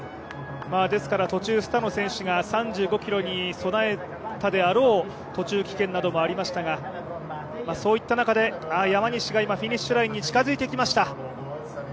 途中、スタノ選手が３５ｋｍに備えたであろう途中棄権などもありましたがそういった中で、山西が今、フィニッシュラインに近づいてきました。